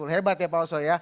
hebat ya pak oso ya